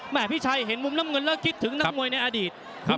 แหม่พี่ชัยเห็นมุมน้ำเงินแล้วคิดถึงน้ำมวยในอดีตครับ